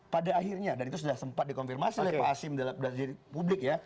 pada akhirnya dan itu sudah sempat dikonfirmasi oleh pak hasim dalam diri publik ya